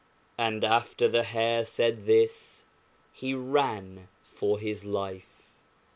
And after the Hare said this, he ran for his life.